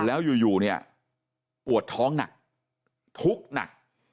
แล้วอยู่เนี่ยปวดท้องหนักทุกข์หนัก